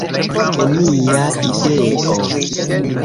Genia ideo!